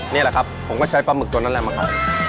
นี่แหละครับผมก็ใช้ปลาหมึกตัวนั้นแหละมาขาย